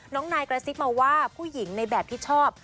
นายกระซิบมาว่าผู้หญิงในแบบที่ชอบ